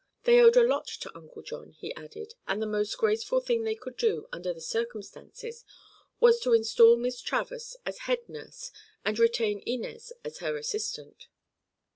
They owed a lot to Uncle John, he added, and the most graceful thing they could do, under the circumstances, was to instal Miss Travers as head nurse and retain Inez as her assistant.